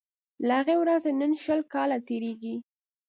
له هغې ورځي نن شل کاله تیریږي